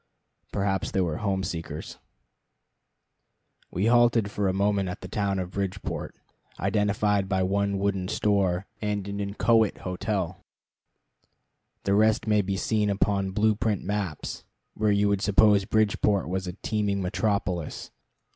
Perhaps they were home seekers. We halted a moment at the town of Bridgeport, identified by one wooden store and an inchoate hotel. The rest may be seen upon blue print maps, where you would suppose Bridgeport was a teeming metropolis.